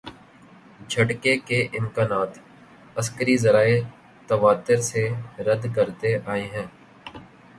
جھٹکے کے امکانات عسکری ذرائع تواتر سے رد کرتے آئے ہیں۔